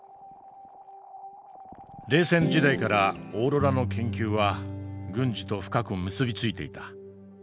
冷戦時代からオーロラの研究は軍事と深く結び付いていた。